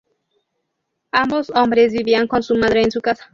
Ambos hombres vivían con su madre en su casa.